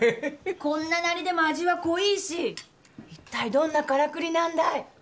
こんななりでも味は濃いし一体どんなからくりなんだい！？